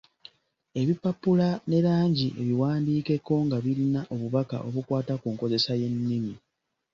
Ebipapula ne langi ebiwandiikeko nga birina obubaka obukwata ku nkozesa y’ennimi.